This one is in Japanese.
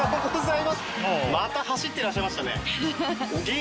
また走ってらっしゃいましたね。